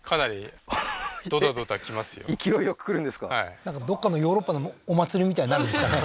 そうだうんなんかどっかのヨーロッパのお祭りみたいになるんですかね